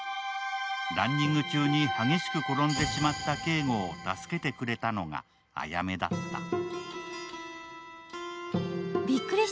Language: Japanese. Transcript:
ランニング中に激しく転んでしまった圭吾を助けてくれたのがあやめだった。